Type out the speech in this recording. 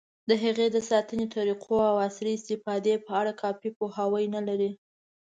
د هغې د ساتنې طریقو، او عصري استفادې په اړه کافي پوهاوی نه لري.